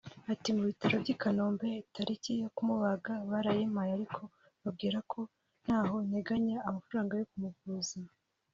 Ati “ Mu bitaro by’i Kanombe itariki yo kumubaga barayimpaye ariko mbabwira ko ntaho nteganya amafaranga yo kumuvuza